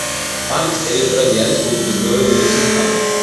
პარკის ტერიტორიაზე არის კუნძულის მეორე უდიდესი მთა.